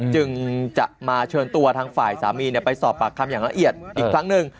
จึงจะมาเชิญตัวทางฝ่ายสามีไปสอบปากคำอย่างละเอียดอีกครั้งหนึ่ง